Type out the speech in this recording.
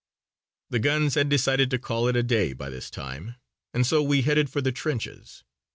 The guns had decided to call it a day by this time and so we headed for the trenches.